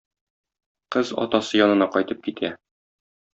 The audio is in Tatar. Кыз атасы янына кайтып китә.